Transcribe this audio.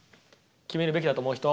決めるべきだと思う人。